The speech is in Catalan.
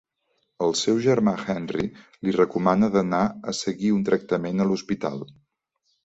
El seu germà, Henry, li recomana d'anar a seguir un tractament a l'hospital.